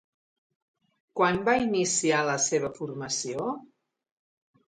Quan va iniciar la seva formació?